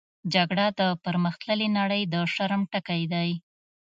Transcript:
جګړه د پرمختللې نړۍ د شرم ټکی دی